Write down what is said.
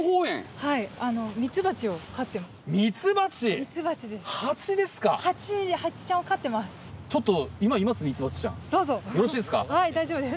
はい大丈夫です。